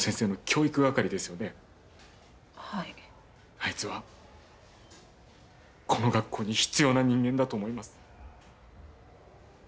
あいつはこの学校に必要な人間だと思います。